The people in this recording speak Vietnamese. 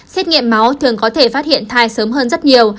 xét nghiệm máu thường có thể phát hiện thai sớm hơn rất nhiều